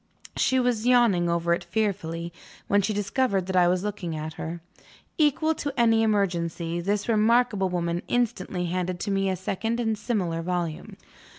She was yawning over it fearfully, when she discovered that I was looking at her. Equal to any emergency, this remarkable woman instantly handed to me a second and similar volume.